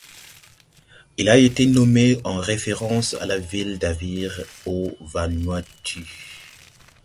Il a été nommé en référence à la ville d'Avire au Vanuatu.